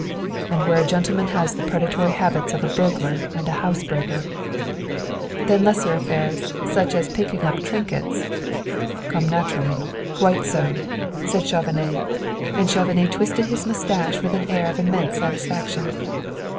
"And where a gentleman has the predatory habits of a burglar and housebreaker " "Then lesser affairs, such as picking up trinkets " "Come naturally quite so!" and Chauvenet twisted his mustache with an air of immense satisfaction.